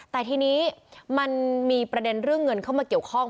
แต่ทีนี้มันมีประเด็นเรื่องเงินเข้ามาเกี่ยวข้อง